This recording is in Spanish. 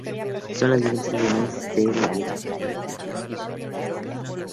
Son las vigentes campeonas de liga.